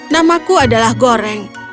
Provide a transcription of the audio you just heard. namaku adalah goreng